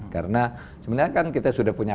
karena sebenarnya kan kita sudah punya